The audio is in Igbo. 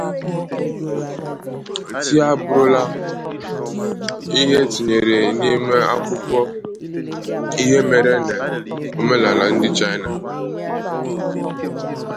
Tii abụrụla ihe etinyere n'ime akụkọ ihe mere eme n' omenaala ndi China.